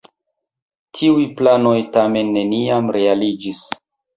Tiuj planoj tamen neniam realiĝis.